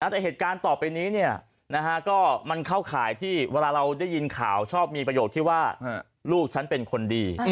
แต่เหตุการณ์ต่อไปนี้ก็มันเข้าข่ายที่เวลาเราได้ยินข่าวชอบมีประโยคที่ว่าลูกฉันเป็นคนดี